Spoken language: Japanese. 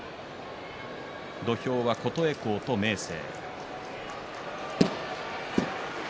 土俵は琴恵光と明生。